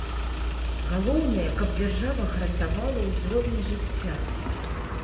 Галоўнае, каб дзяржава гарантавала ўзровень жыцця.